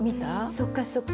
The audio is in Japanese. そっかそっか。